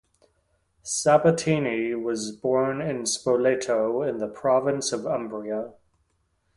Sabbatini was born in Spoleto, in the province of Umbria.